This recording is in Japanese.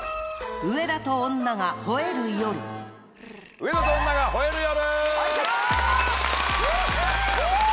『上田と女が吠える夜』！